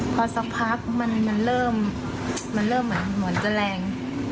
พอสักพักมันเริ่มเหมือนจะแรง